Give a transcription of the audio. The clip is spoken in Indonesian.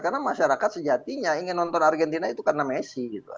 karena masyarakat sejatinya ingin nonton argentina itu karena messi